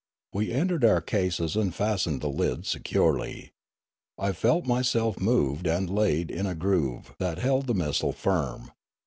We entered our cases and fastened the lids securely. I felt myself moved and laid in a groove that held the missile firm.